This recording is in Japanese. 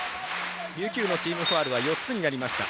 琉球のチームファウルは４つになりました。